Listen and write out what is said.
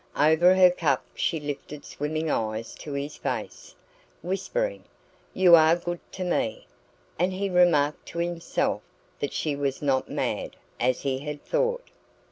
Over her cup she lifted swimming eyes to his face, whispering: "You are good to me!" And he remarked to himself that she was not mad, as he had thought.